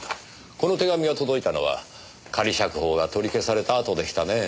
この手紙が届いたのは仮釈放が取り消されたあとでしたねぇ。